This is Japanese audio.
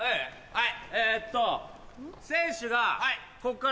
はい！